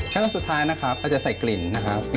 ขั้นตอนสุดท้ายนะครับเราจะใส่กลิ่นนะครับ